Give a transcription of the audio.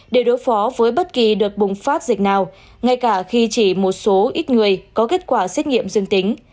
để đối phó với bất kỳ đợt bùng phát dịch nào ngay cả khi chỉ một số ít người có kết quả xét nghiệm dương tính